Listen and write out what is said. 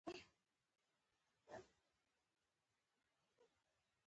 د لېوه بچی د پلار په څېر لېوه وي